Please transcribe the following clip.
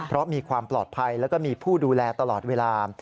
เพราะมีความปลอดภัยแล้วก็มีผู้ดูแลตลอดเวลา